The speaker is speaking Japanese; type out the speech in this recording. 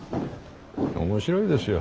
面白いですよ。